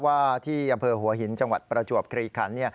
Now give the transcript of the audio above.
ว่าที่อำเภอหัวหินจังหวัดประจวบคลีคัน